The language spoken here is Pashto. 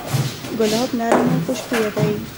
ګلاب نرم او خوشبویه دی.